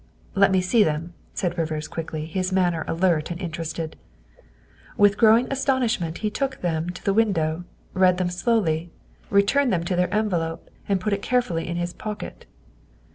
" Let me see them," said Rivers quickly, his manner alert and interested. With growing astonishment he took them to the window, read them slowly, returned them to their enve lope, and put it carefully in his pocket.